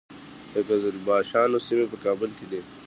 د قزلباشانو سیمې په کابل کې دي